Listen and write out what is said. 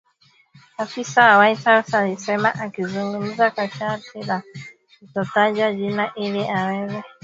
afisa wa White House alisema akizungumza kwa sharti la kutotajwa jina ili aweze kuzungumzia uidhinishaji huo mpya